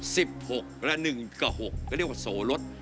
หกระหนึ่งกับหกก็เรียกว่าโสรส